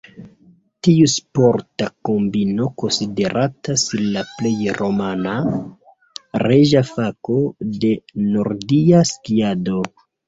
Tiu sporta kombino konsideratas la plej renoma, "reĝa fako" de nordia skiado.